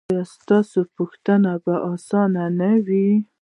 ایا ستاسو پوښتنه به اسانه نه وي؟